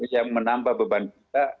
yang menambah beban kita